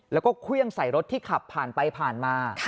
แล้วก็เครื่องใส่รถที่ขับผ่านไปผ่านมา